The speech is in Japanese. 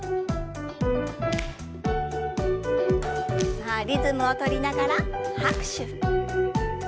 さあリズムを取りながら拍手。